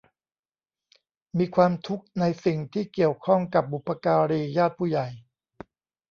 มีความทุกข์ในสิ่งที่เกี่ยวข้องกับบุพการี ญาติผู้ใหญ่